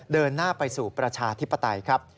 เดินหน้าไปสู่ประชาธิปไตยครับ